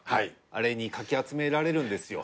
あれにかき集められるんですよ。